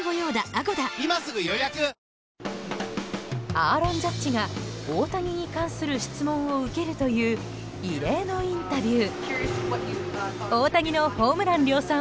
アーロン・ジャッジが大谷に関する質問を受けるという異例のインタビュー。